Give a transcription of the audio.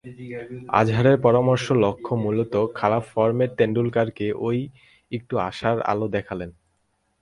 আজহারের পরামর্শের লক্ষ্য মূলত খারাপ ফর্মের টেন্ডুলকারকে একটু আশার আলো দেখানো।